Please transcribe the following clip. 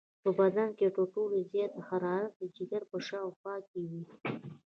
په بدن کې تر ټولو زیاته حرارت د جگر په شاوخوا کې وي.